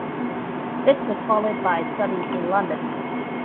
This was followed by studies in London.